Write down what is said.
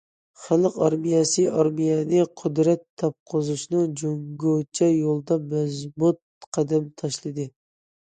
خەلق ئارمىيەسى ئارمىيەنى قۇدرەت تاپقۇزۇشنىڭ جۇڭگوچە يولىدا مەزمۇت قەدەم تاشلىدى.